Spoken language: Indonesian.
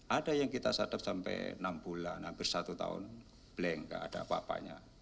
ada yang kita sadap sampai enam bulan hampir satu tahun blank nggak ada apa apanya